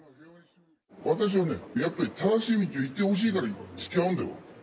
私はね、やっぱり正しい道に行ってほしいからつきあうんだよ。